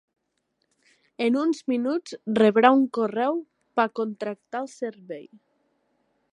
En uns minuts rebrà un correu per contractar el servei.